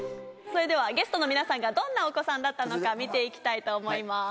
それではゲストの皆さんがどんなお子さんだったのか見て行きたいと思います。